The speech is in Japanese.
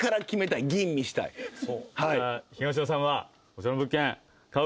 東野さんは。